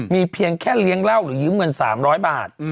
มีเพียงแค่เลี้ยงเหล้าหรือยืมเงิน๓๐๐บาท